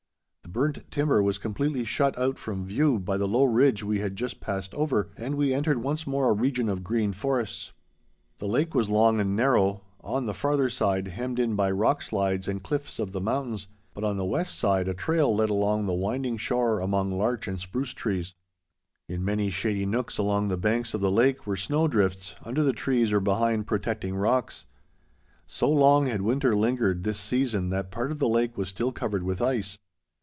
The burnt timber was completely shut out from view by the low ridge we had just passed over, and we entered once more a region of green forests. The lake was long and narrow; on the farther side, hemmed in by rock slides and cliffs of the mountains, but on the west side a trail led along the winding shore among larch and spruce trees. In many shady nooks along the banks of the lake were snow drifts, under the trees or behind protecting rocks. So long had winter lingered this season that part of the lake was still covered with ice.